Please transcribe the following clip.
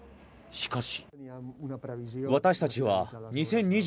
しかし。